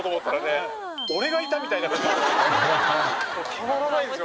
たまらないですよ